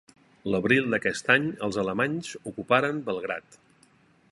L'abril d'aquest any els alemanys ocuparen Belgrad.